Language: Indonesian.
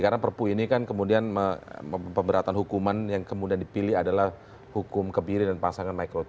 karena perpu ini kan kemudian pemberatan hukuman yang kemudian dipilih adalah hukum kebiri dan pasal